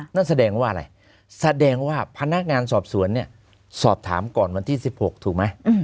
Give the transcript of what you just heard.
นั่นแสดงว่าอะไรแสดงว่าพนักงานสอบสวนเนี่ยสอบถามก่อนวันที่๑๖ถูกไหม